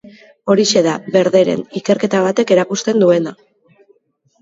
Horixe da, bederen, ikerketa batek erakusten duena.